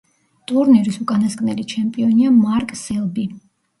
ტურნირის უკანასკნელი ჩემპიონია მარკ სელბი.